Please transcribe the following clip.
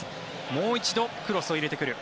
もう一度、クロスを入れてくる。